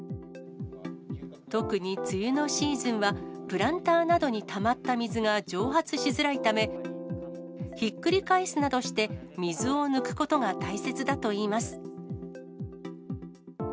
特に梅雨のシーズンは、プランターなどにたまった水が蒸発しづらいため、ひっくり返すなどして、水を抜くことが大切だといいます。